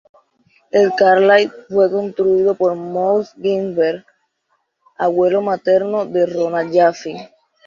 El Carlyle fue construido por Moses Ginsberg, abuelo materno de Rona Jaffe.